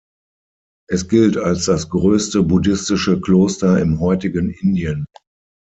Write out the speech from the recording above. Es gilt als das größte buddhistische Kloster im heutigen Indien.